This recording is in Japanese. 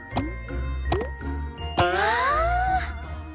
わあ！